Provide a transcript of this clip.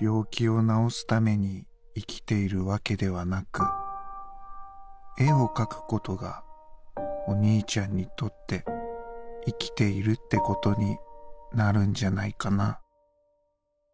病気を治すために生きているわけではなく絵を描くことがお兄ちゃんにとって生きているってことになるんじゃないかな」。